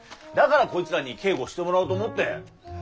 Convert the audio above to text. だからこいつらに警護してもらおうと思って。